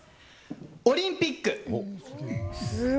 オリンピック。